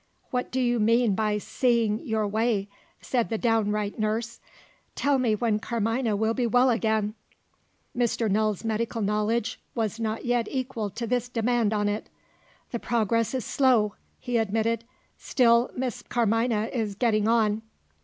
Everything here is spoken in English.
"What do you mean by seeing your way?" said the downright nurse. "Tell me when Carmina will be well again." Mr. Null's medical knowledge was not yet equal to this demand on it. "The progress is slow," he admitted, "still Miss Carmina is getting on."